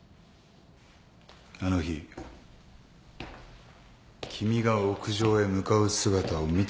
あの日君が屋上へ向かう姿を見た職員がいた。